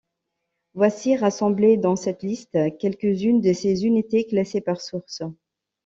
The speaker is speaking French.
Voici rassemblées dans cette liste quelques-unes de ces unités classées par sources.